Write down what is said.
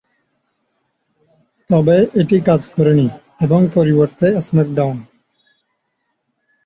তবে, এটি কাজ করে নি, এবং পরিবর্তে স্ম্যাকডাউন!